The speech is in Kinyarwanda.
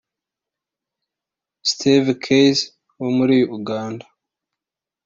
Steve Keys wo muri Uganda